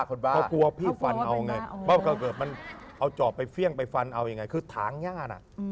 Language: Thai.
เค้ากลัวพี่ฟันอ่อไปไงว่าจะเป็นปังจนคือถางหญ้า